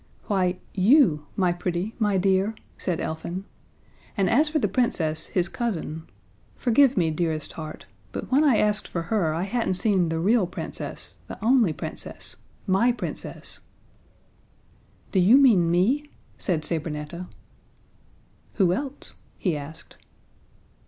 "Why, you my pretty, my dear," said Elfin, "and as for the Princess, his cousin forgive me, dearest heart, but when I asked for her I hadn't seen the real Princess, the only Princess, my Princess." "Do you mean me?" said Sabrinetta. "Who else?" he asked.